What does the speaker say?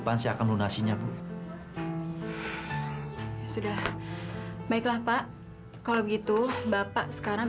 tapi ntar lo setorannya balik lagi ke gue ya